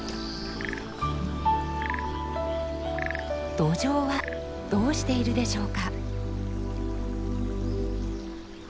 ドジョウはどうしているでしょうか？